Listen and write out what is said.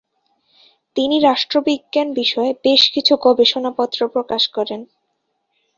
তিনি রাষ্ট্রবিজ্ঞান বিষয়ে বেশ কিছু গবেষণাপত্র প্রকাশ করেন।